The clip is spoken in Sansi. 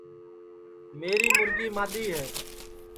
میری مُرگی مادؔی ہے